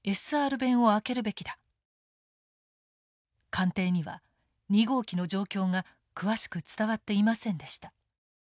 官邸には２号機の状況が詳しく伝わっていませんでした。